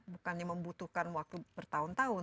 jadi membutuhkan waktu bertahun tahun